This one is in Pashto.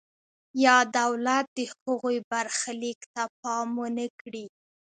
یا دولت د هغوی برخلیک ته پام ونکړي.